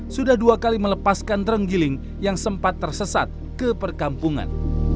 sudah dua kali melepaskan terenggiling yang sempat tersesat ke perkampungan